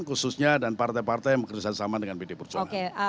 khususnya dan partai partai yang kerjasama dengan bdi perjuangan